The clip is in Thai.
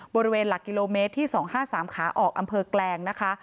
บริเวณหลักกิโลเมตรที่๒๕๓ขาออกอำเภอแกลงนะคะ